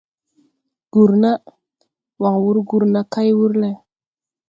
Gurna, waŋ wur gurna kay wur leʼ.